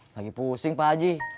lagi pusing pak haji